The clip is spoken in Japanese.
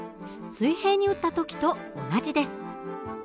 水平に撃った時と同じです。